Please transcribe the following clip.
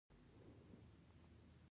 د سړک شانې د سړک د ساتنې لپاره جوړیږي